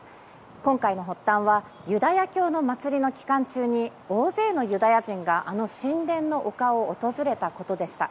今回の発端はユダヤ教の祭りの期間中に大勢のユダヤ人があの神殿の丘を訪れたことでした。